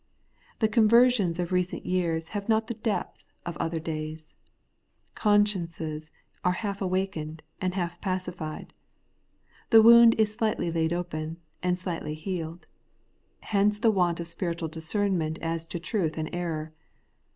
The conversions of recent years have not the depth of other days. Consciences are half awakened and half pacified ; the wound is slightly laid open, and slightly healed. Hence the want of spiritual discernment as to truth and error.